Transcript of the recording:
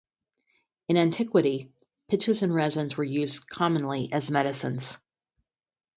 In antiquity, pitches and resins were used commonly as medicines.